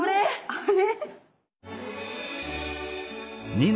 あれ？